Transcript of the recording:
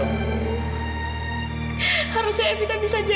maafkan evita ibu